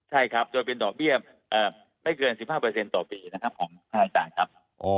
ใช่ครับโดยเป็นดอกเบี้ยไม่เกิน๑๕ต่อปีนะครับของธนาคารครับ